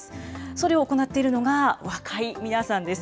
それを行っているのが、若い皆さんです。